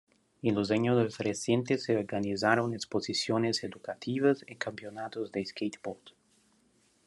En los años recientes se organizaron exposiciones educativas y campeonatos de skateboard.